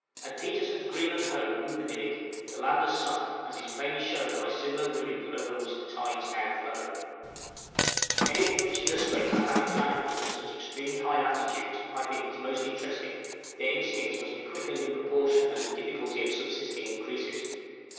At Petersen's Greenland home, Upernivik, the land has sunk, as is plainly shown by similar ruins over which the tides now flow. {THRIFT OF THE ARCTIC FOX.} Anything which illustrates the habits of animals in such extremely high latitudes I think is most interesting; their instincts must be quickened in proportion as the difficulty of subsisting increases.